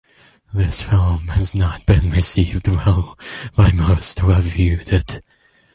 This film has not been received well by most who have viewed it.